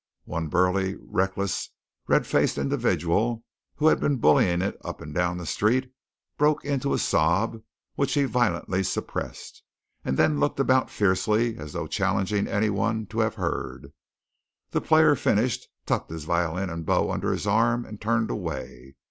One burly, reckless, red faced individual, who had been bullying it up and down the street, broke into a sob which he violently suppressed, and then looked about fiercely, as though challenging any one to have heard. The player finished, tucked his violin and bow under his arm, and turned away.